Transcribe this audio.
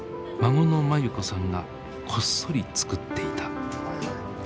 孫の眞優子さんがこっそり作っていた。